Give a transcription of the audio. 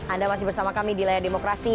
anda masih bersama kami di layar demokrasi